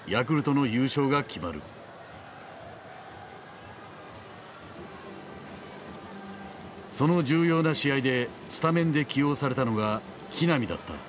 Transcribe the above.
その重要な試合でスタメンで起用されたのが木浪だった。